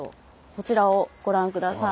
こちらをご覧下さい。